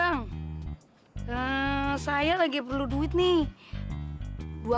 bang saya lagi perlu duit nih dua puluh juta